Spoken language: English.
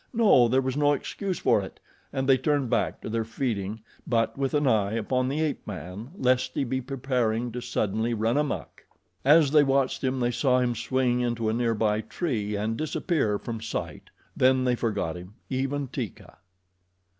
No, there was no excuse for it, and they turned back to their feeding, but with an eye upon the ape man lest he be preparing to suddenly run amuck. As they watched him they saw him swing into a near by tree and disappear from sight. Then they forgot him, even Teeka.